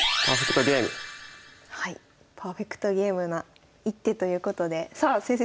パーフェクトゲームな一手ということでさあ先生